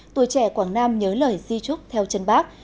tuổi trẻ quảng nam nhớ lời di trúc theo chân bác